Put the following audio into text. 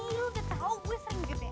iya udah tahu gue sayang gede